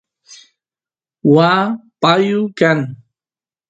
waa payu kan